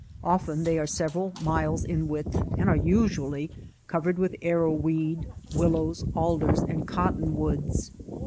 Often they are several miles in width and are usually covered with arrow weed, willows, alders, and cottonwoods.